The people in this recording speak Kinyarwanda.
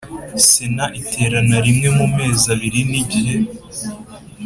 Sena iterana rimwe mu mezi abiri n igihe